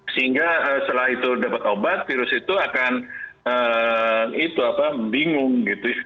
sehingga setelah itu dapat obat virus itu akan bingung